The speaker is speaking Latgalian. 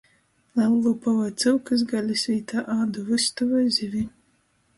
Lellūpa voi cyukys galis vītā ādu vystu voi zivi.